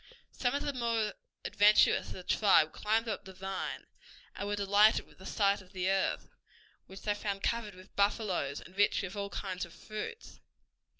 Some of the more adventurous of the tribe climbed up the vine, and were delighted with the sight of the earth, which they found covered with buffaloes and rich with all kinds of fruits.